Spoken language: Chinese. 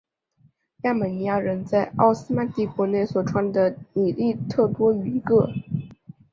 亚美尼亚人在奥斯曼帝国内所创立的米利特多于一个。